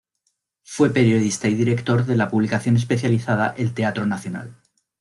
Fue periodista y director de la publicación especializada "El Teatro Nacional".